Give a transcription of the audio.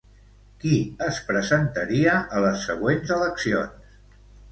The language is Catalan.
Qui es presentaria a les següents eleccions?